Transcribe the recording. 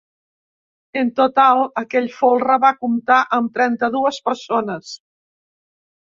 En total, aquell folre va comptar amb trenta-dues persones.